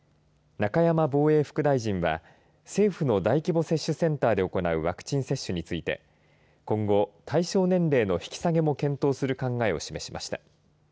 中山防衛副大臣は政府の大規模接種センターで行うワクチン接種について今後、対象年齢の引き下げも検討する考えを示しました。